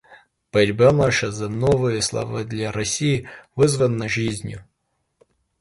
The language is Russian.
Борьба наша за новые слова для России вызвана жизнью.